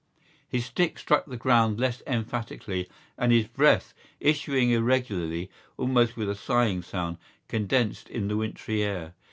His stick struck the ground less emphatically and his breath, issuing irregularly, almost with a sighing sound, condensed in the wintry air.